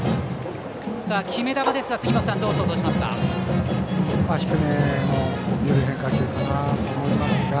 決め球ですが、杉本さんどう想像しますか。